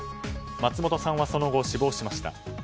松本さんはその後死亡しました。